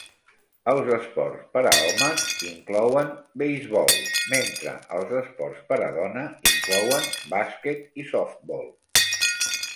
Els esports per a homes inclouen beisbol, mentre els esports per a dona inclouen bàsquet i softbol.